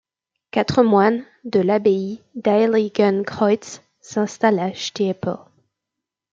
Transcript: Quatre moines de l'abbaye d'Heiligenkreuz s'installent à Stiepel.